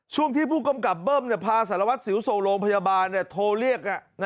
ช่วงที่ผู้กำกับเบิ้มพาสารวัตรสิวส่งโรงพยาบาลโทรเรียก